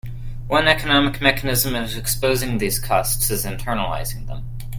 One economic mechanism of exposing these costs is internalizing them.